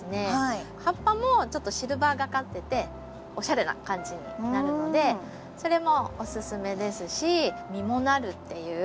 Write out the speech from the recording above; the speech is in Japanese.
葉っぱもちょっとシルバーがかってておしゃれな感じになるのでそれもおすすめですし実もなるっていう。